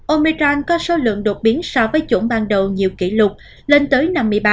omechang có số lượng đột biến so với chủng ban đầu nhiều kỷ lục lên tới năm mươi ba